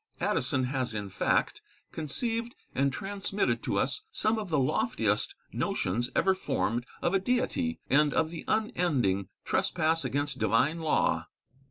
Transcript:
Addison has in fact conceived and transmitted to us some of the loftiest notions ever formed of a Deity, and of the unending trespass against divine law.